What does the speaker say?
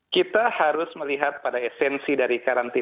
kita harus melihat pada esensi dari karantina